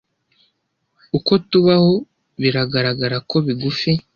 Uko tubaho, biragaragara ko bigufi